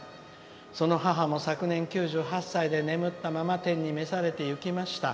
その母も昨年、９８歳で眠ったまま天に召されていきました。